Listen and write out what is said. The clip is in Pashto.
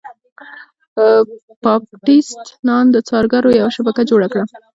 باپټیست نان د څارګرو یوه شبکه جوړه کړه.